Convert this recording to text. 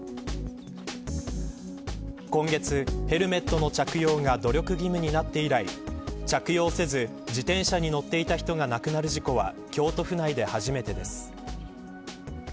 今月、ヘルメットの着用が努力義務になって以来着用せず自転車に乗っていた人が亡くなる事故は京都府内で初めてです。